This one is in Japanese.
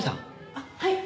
あっはい。